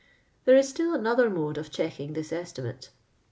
Then' is still another mode of checking this estimate.